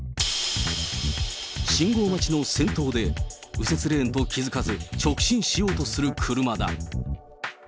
信号待ちの先頭で、右折レーンと気付かず、直進しようとする車だ。